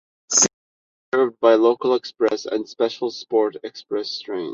City Hall station is served by Local, Express, and Special "Sport Express" trains.